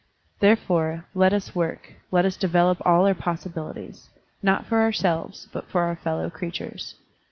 Therefore, let us work, let us develop all our possibilities; not for ourselves, but for our fellow creatures.